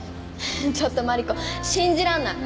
ちょっとマリコ信じらんない。